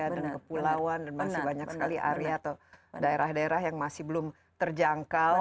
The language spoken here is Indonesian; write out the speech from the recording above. dan kepulauan dan masih banyak sekali area atau daerah daerah yang masih belum terjangkau